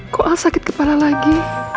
kok sakit kepala lagi